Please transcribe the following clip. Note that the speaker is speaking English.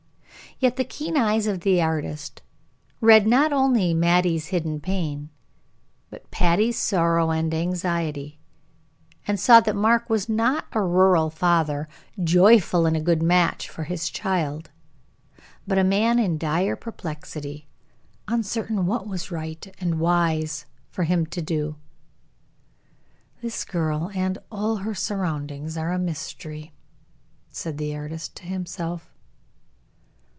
Yet the keen eyes of the artist read not only Mattie's hidden pain, but Patty's sorrow and anxiety, and saw that Mark was not a rural father, joyful in a good match for his child, but a man in dire perplexity, uncertain what was right and wise for him to do. "This girl and all her surroundings are a mystery," said the artist to himself.